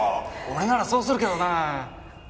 俺ならそうするけどな。